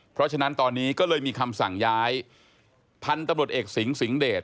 เพราะฉะนั้นตอนนี้ก็เลยมีคำสั่งย้ายพันธุ์ตำรวจเอกสิงสิงห์เดช